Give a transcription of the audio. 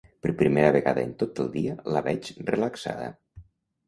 Per primera vegada en tot el dia la veig relaxada.